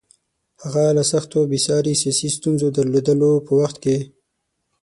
هغه له سختو او بې ساري سیاسي ستونزو درلودلو په وخت کې.